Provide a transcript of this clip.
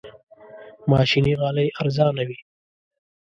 ماشيني غالۍ ارزانه وي.